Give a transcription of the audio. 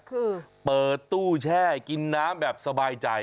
คือเปิดตู้แช่กินน้ำแบบสบายใจ